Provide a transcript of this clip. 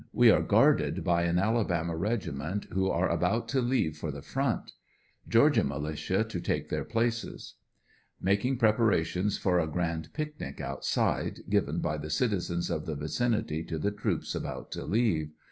We are guarded by an Alabama reg iment, who are about to leave for the front. Georgia militia to take their places. Making preparations for a grand pic nic outside, given by the citizens of the vicinity to the troops about to leave.